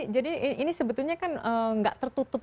jadi ini sebetulnya kan nggak tertutup